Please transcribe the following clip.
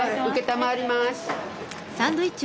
承ります。